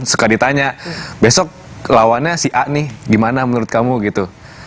suka ditanya besok lawannya si a nih gimana menurut kamu gitu